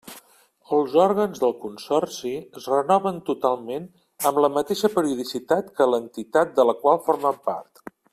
Els òrgans del consorci es renoven totalment amb la mateixa periodicitat que l'entitat de la qual formen part.